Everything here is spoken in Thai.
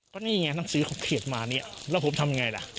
ก็นี่ไงหนังสือเขาเขียนมาเนี่ยแล้วผมทำไงล่ะ